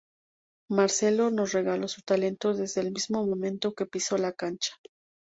Marcelo nos regalo su talento desde el mismo momento que piso la cancha.